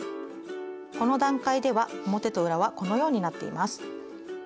この段階では表と裏はこのようになっています。